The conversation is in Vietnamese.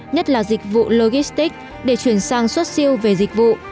nhất là dịch vụ logistics để chuyển sang xuất siêu về dịch vụ